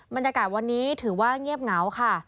บรรยากาศวันนี้ถือว่าเงียบเหงาค่ะ